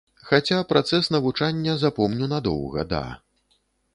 Хаця, працэс навучання запомню надоўга, да.